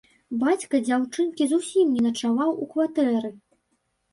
Бацька дзяўчынкі зусім не начаваў у кватэры.